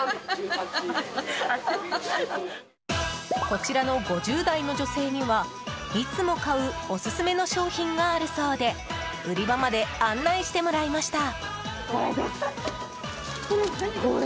こちらの５０代の女性にはいつも買うオススメの商品があるそうで売り場まで案内してもらいました。